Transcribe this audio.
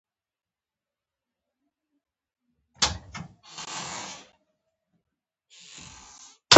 ایا مصنوعي ځیرکتیا د فکر خپلواکي نه کمزورې کوي؟